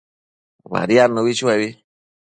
Badiadnubi chuebi